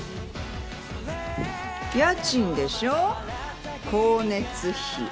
家賃でしょ光熱費。